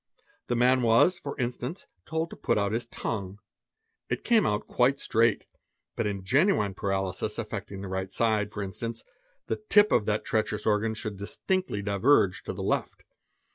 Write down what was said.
The man was, for instance, et told to put out his tongue. It came out quite straight, but in genuine 2 paralysis affecting the right side, for instance, the tip of that treacherous organ should distinctly diverge to the left.